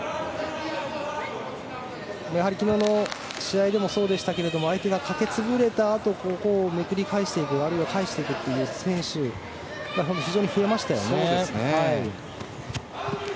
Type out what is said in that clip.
昨日の試合でもそうでしたけど相手がかけ潰れたあとめくり返していくあるいは返していくという選手が非常に増えましたよね。